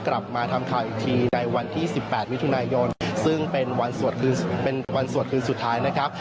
กลับมาทำข่าวอีกทีในวันที่๑๘มิถุนายนซึ่งเป็นวันสวดคืนสุดท้ายนะครับ